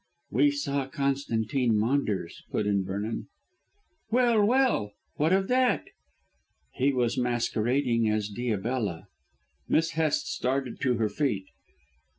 "We saw Constantine Maunders," put in Vernon. "Well, well! What of that?" "He was masquerading as Diabella." Miss Hest started to her feet.